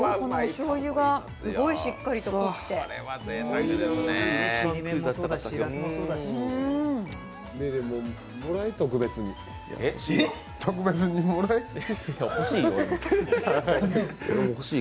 しょうゆがすごいしっかりと濃くておいしい。